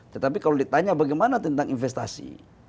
tetapi kalau ditanya bagaimana tentang investasi